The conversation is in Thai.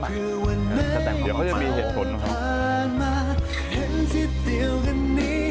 ทำไมเป็นสแตม